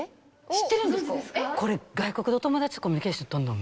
知ってるんですか？